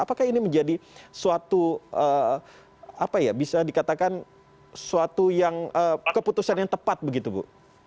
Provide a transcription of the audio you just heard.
apakah ini menjadi suatu apa ya bisa dikatakan suatu yang keputusan yang tepat begitu bu